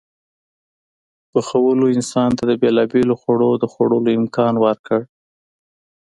پخولو انسان ته د بېلابېلو خوړو د خوړلو امکان ورکړ.